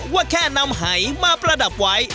ว่าแค่นำหายมาประดับไว้